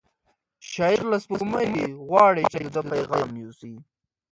شاعر له سپوږمۍ غواړي چې د ده پیغام یوسي.